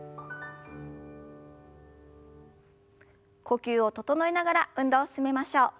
呼吸を整えながら運動を進めましょう。